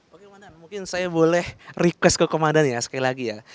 bagaimana mungkin saya boleh request ke komandan ya sekali lagi ya